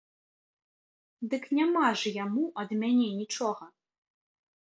Дык няма ж яму ад мяне нічога.